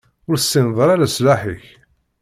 Ur tessineḍ ara leṣlaḥ-ik.